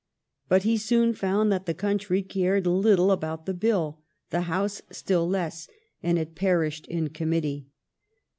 But he soon found that the country cared little about the Bill, the House still less, and it perished in Committee.